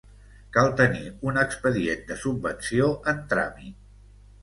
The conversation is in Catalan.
Cal tenir un expedient de subvenció en tràmit.